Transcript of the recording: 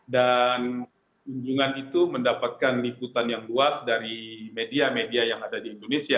dan kunjungan itu mendapatkan liputan yang luas dari media media yang ada di indonesia